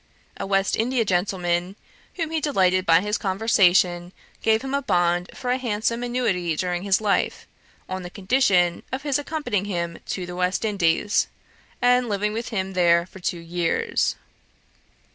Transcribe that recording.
A West India gentleman, whom he delighted by his conversation, gave him a bond for a handsome annuity during his life, on the condition of his accompanying him to the West Indies, and living with him there for two years.